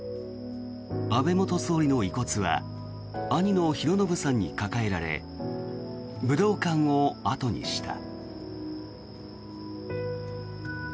安倍元総理の遺骨は兄の寛信さんに抱えられ武道館を後にした。